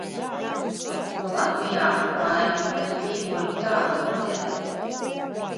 Jo Latvijā, par laimi, es dzīvoju tāda vidē.